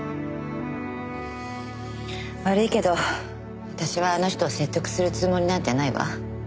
悪いけど私はあの人を説得するつもりなんてないわ。